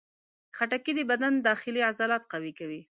خټکی د بدن داخلي عضلات قوي کوي.